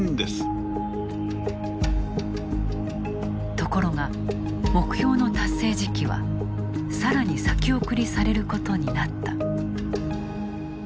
ところが目標の達成時期はさらに先送りされることになった。